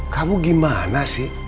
kamu gimana sih